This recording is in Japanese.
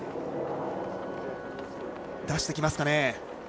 出してきますかね。